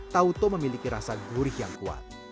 tauco memiliki rasa gurih yang kuat